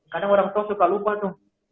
kadang orang tua suka lupa tuh